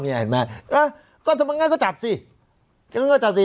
เอาไงเอาไงก็แล้วก็ทำงานก็จับสิทำงานก็จับสิ